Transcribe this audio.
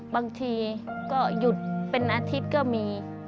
บางทีก็หยุดเป็นอาทิตย์ก็มี